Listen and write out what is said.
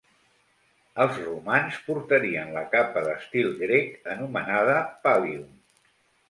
Els romans portarien la capa d'estil grec, anomenada "pallium".